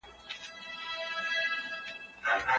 څنګه ډیپلوماټ پر نورو هیوادونو اغیز کوي؟